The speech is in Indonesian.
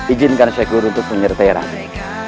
ijinkan syekh guru untuk menyertai raden